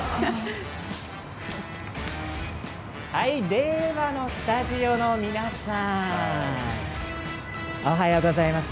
令和のスタジオの皆さんおはようございます。